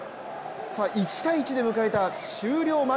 １−１で迎えた終了間際